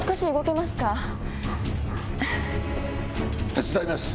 手伝います。